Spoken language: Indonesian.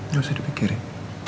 gak usah dipikirin